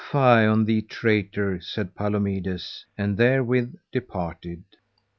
Fie on thee, traitor, said Palomides, and therewith departed.